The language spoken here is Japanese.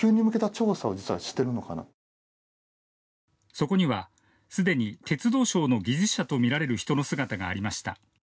そこには、すでに鉄道省の技術者とみられる人の姿がありました。